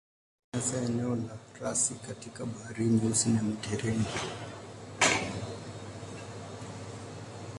Ni hasa eneo la rasi kati ya Bahari Nyeusi na Mediteranea.